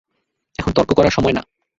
এখন তর্ক করার সময় না!